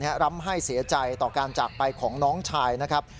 ร้ำให้เสียใจต่อการจากไปของน้องชายนะครับ